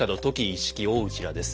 一色大内らです。